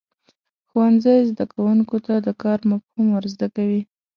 ښوونځی زده کوونکو ته د کار مفهوم ورزده کوي.